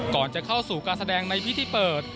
ก่อนจะเข้าสู่การแสดงในพิธีเปิด